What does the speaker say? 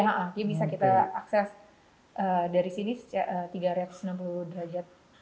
jadi bisa kita akses dari sini tiga ratus enam puluh derajat